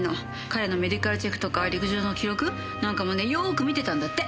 彼のメディカルチェックとか陸上の記録なんかもねよーく見てたんだって。